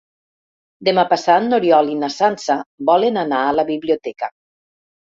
Demà passat n'Oriol i na Sança volen anar a la biblioteca.